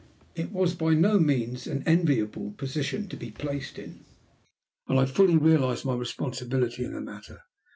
It was by no means an enviable position for a man to be placed in, and I fully realized my responsibility in the matter.